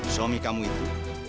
suami kamu itu